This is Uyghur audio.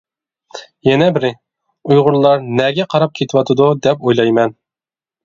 يەنە بىرى، «ئۇيغۇرلار نەگە قاراپ كېتىۋاتىدۇ؟ » دەپ ئويلايمەن.